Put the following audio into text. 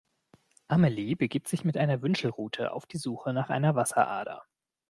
Amelie begibt sich mit einer Wünschelrute auf die Suche nach einer Wasserader.